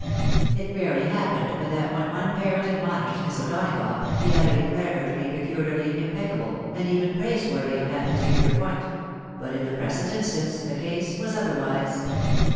It rarely happened but that when one parent admonished Miss O'Donagough, the other declared her to be peculiarly im peccable, and even praiseworthy on that particular point; but in the present instance the case was otherwise.